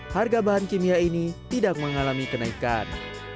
harga bahan kimia ini tidak mengalami kenaikan